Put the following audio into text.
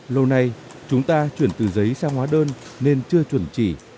lâu nay chúng ta chuyển từ giấy sang hóa đơn nên chưa chuẩn chỉ